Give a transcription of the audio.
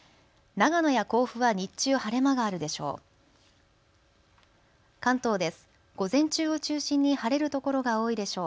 長野や甲府は日中、晴れ間があるでしょう。